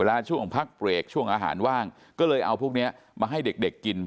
เวลาช่วงของพักเตรกช่วงอาหารว่างก็เลยเอาพวกเนี้ยมาให้เด็กเด็กกิน